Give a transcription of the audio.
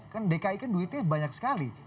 kan dki kan duitnya banyak sekali